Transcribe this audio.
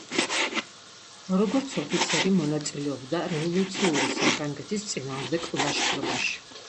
როგორც ოფიცერი, მონაწილეობდა რევოლუციური საფრანგეთის წინააღმდეგ ლაშქრობაში.